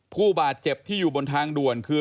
ผู้บาดเจ็บที่อยู่บนทางด่วนคือ